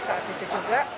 saat itu juga